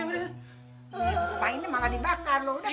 ini pak ini malah dibakar loh